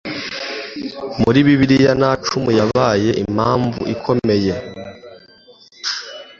muri bibiri nacumi yabaye impamvu ikomeye